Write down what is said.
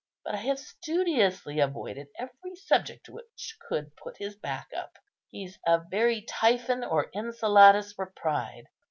But I have studiously avoided every subject which could put his back up. He's a very Typhon or Enceladus for pride.